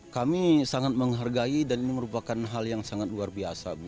kami sangat menghargai dan ini merupakan hal yang sangat luar biasa